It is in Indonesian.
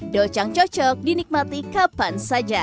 docang cocok dinikmati kapan saja